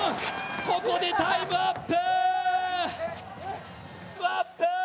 ここでタイムアップ。